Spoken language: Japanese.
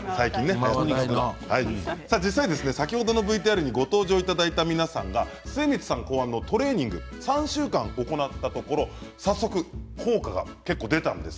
実際、先ほどのＶＴＲにご登場いただいた皆さんが末光さん考案のトレーニングを３週間行ったところ早速、効果が結構出たんです。